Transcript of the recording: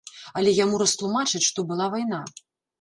Але яму растлумачаць, што была вайна.